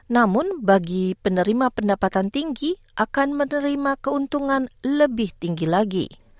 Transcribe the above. namun bagi penerima pendapatan tinggi akan menerima keuntungan lebih tinggi lagi